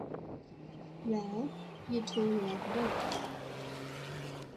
Well, you two love birds.